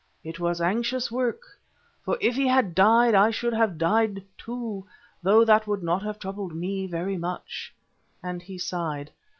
It was anxious work, for if he had died I should have died too, though that would not have troubled me very much," and he sighed.